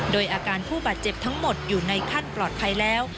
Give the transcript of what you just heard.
โดยอาการผู้บาดเจ็บทั้งหมดอยู่ในขั้นปลอดภัยแล้ว